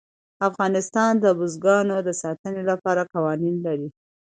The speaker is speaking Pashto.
افغانستان د بزګانو د ساتنې لپاره قوانین لري.